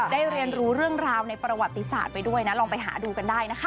ได้เรียนรู้เรื่องราวในประวัติศาสตร์ไปด้วยนะลองไปหาดูกันได้นะคะ